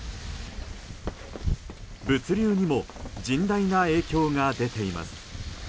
物流にも甚大な影響が出ています。